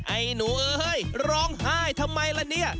ไอ้หนูเอ้ยร้องไห้ทำไมล่ะเนี่ย